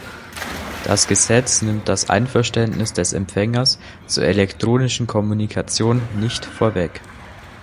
Das Gesetz nimmt das Einverständnis des Empfängers zur elektronischen Kommunikation nicht vorweg.